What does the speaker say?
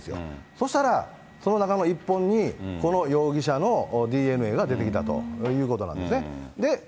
そしたら、その中の１本に、この容疑者のＤＮＡが出てきたということなんですね。